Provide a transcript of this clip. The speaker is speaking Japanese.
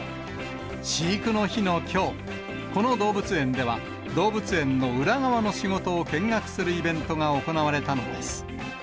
飼育の日のきょう、この動物園では、動物園の裏側の仕事を見学するイベントが行われたのです。